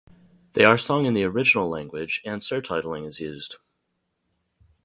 They are sung in the original language and surtitling is used.